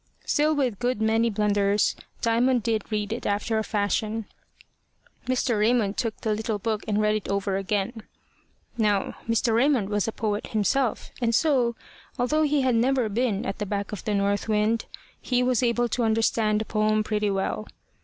Still with a good many blunders, Diamond did read it after a fashion. Mr. Raymond took the little book and read it over again. Now Mr. Raymond was a poet himself, and so, although he had never been at the back of the north wind, he was able to understand the poem pretty well.